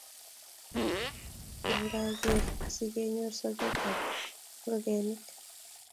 ang'er asikenyoru soketab ngokenik